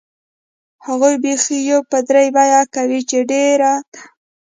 هغوی بیخي یو په درې بیه کوي چې ډېره ده.